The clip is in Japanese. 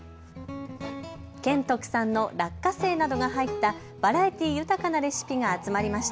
県特産の落花生などが入ったバラエティー豊かなレシピが集まりました。